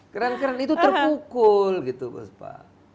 keren keren itu terpukul gitu bu spa